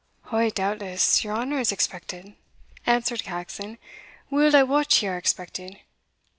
"Ou, doubtless, your honour is expected," answered Caxon; "weel I wot ye are expected.